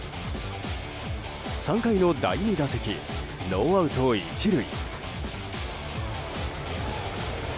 ３回の第２打席ノーアウト１塁。